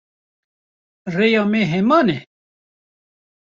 Rêya me heman e?